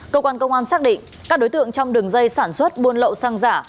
cơ quan công an xác định các đối tượng trong đường dây sản xuất buôn lậu xăng giả